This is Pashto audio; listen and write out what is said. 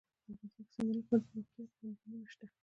افغانستان کې د سیندونه لپاره دپرمختیا پروګرامونه شته.